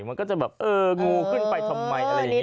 มันก็จะแบบเอองูขึ้นไปทำไมอะไรอย่างนี้